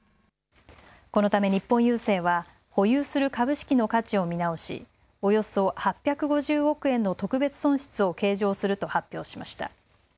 このため日本郵政は保有する株式の価値を見直し、およそ８５０億円の特別損失を計上すると発表しました。